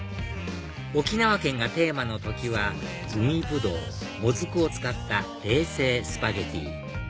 沖縄県がテーマの時は海ぶどうもずくを使った冷製スパゲティ